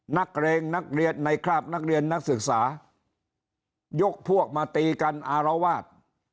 นักเรงนักเรียนในคราบนักเรียนนักศึกษายกพวกมาตีกันอารวาส